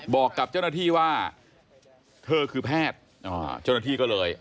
บอกกับเจ้าหน้าที่ว่าเธอคือแพทย์เจ้าหน้าที่ก็เลย